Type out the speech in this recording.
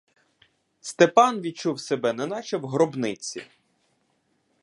Степан відчув себе неначе в гробниці.